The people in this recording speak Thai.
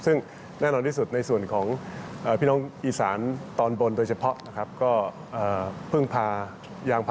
ซึ่งแน่นอนที่สุดในส่วนของพี่น้องอีสานตอนบนโดยเฉพาะนะครับ